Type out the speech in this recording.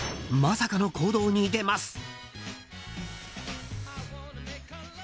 まさかの行動に出ます。